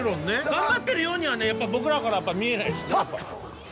頑張ってるようにはねやっぱ僕らから見えないですね。